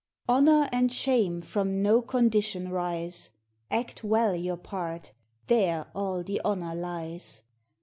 Honor and shame from no condition rise; Act well your part, there all the honor lies.